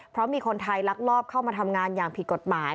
เพราะมีคนไทยลักลอบเข้ามาทำงานอย่างผิดกฎหมาย